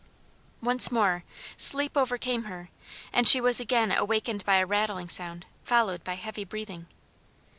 Once more sleep overcame her and again she was awakened by a rattling sound followed by heavy breathing.